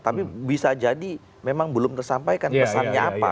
tapi bisa jadi memang belum tersampaikan pesannya apa